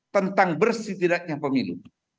tentang bersih tidaknya pemilu